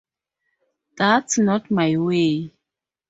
That's not my way.